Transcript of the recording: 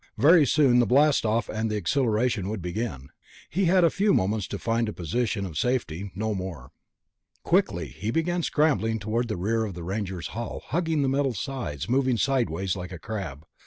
Very soon the blastoff and the accelleration would begin. He had a few moments to find a position of safety, no more. Quickly, he began scrambling toward the rear of the Ranger's hull, hugging the metal sides, moving sideways like a crab.